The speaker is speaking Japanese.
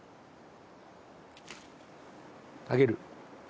あげる。